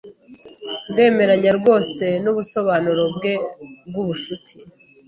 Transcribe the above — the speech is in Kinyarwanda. Ndemeranya rwose nubusobanuro bwe bwubucuti.